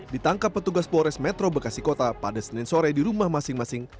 ditangkap petugas polres metro bekasi kota pada senin sore di rumah masing masing